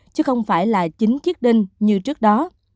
chứ không phải là chính chiếc đinh như trước đó